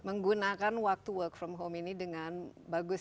menggunakan waktu work from home ini dengan bagus